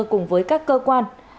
cùng với các cơ quan